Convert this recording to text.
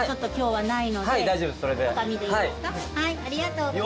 はい。